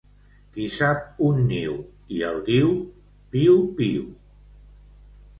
Qui sap un niu i el diu, piu, piu.